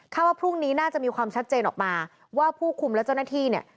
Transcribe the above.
ว่าพรุ่งนี้น่าจะมีความชัดเจนออกมาว่าผู้คุมและเจ้าหน้าที่เนี่ย